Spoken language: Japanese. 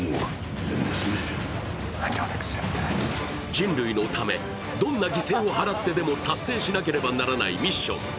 人類のため、どんな犠牲を払ってでも達成しなければならないミッション。